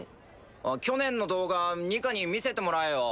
あっ去年の動画ニカに見せてもらえよ。